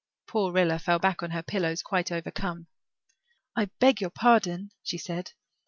Poor Rilla fell back on her pillow, quite overcome. "I beg your pardon," she said.